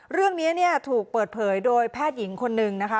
เรื่องนี้เนี่ยถูกเปิดเผยโดยแพทย์หญิงคนนึงนะคะ